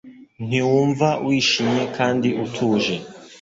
Ntiwumva wishimye kandi utuje